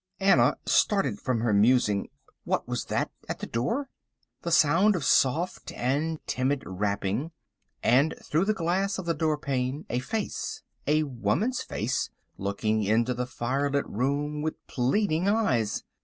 Anna started from her musing— What was that at the door? The sound of a soft and timid rapping, and through the glass of the door pane, a face, a woman's face looking into the fire lit room with pleading eyes.